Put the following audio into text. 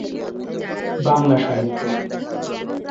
Bangla Sahitya